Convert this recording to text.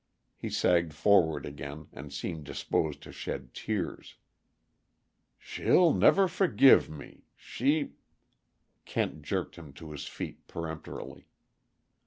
He sagged forward again, and seemed disposed to shed tears. "She'll never forgive me; she " Kent jerked him to his feet peremptorily.